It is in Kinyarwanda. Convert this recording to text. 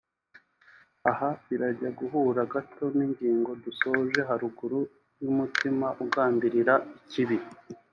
Aha birajya guhura gato n’ingingo dusoje haruguru y’umutima ugambirira ikibi